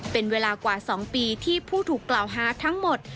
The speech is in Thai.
เป็นเวลากว่า๒ปีที่ผู้ถูกกล่าวหาทั้งหมด